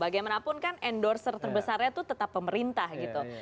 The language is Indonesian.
bagaimanapun kan endorser terbesarnya itu tetap pemerintah gitu